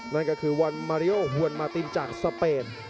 นั่นก็คือวันมาริโอฮวนมาตินจากสเปน